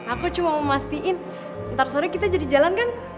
aku cuma mau mastiin ntar sore kita jadi jalan kan